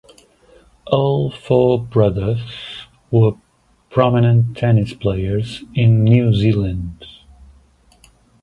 All four brothers were prominent tennis players in New Zealand.